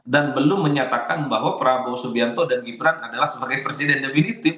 dan belum menyatakan bahwa prabowo subianto dan gibran adalah sebagai presiden definitif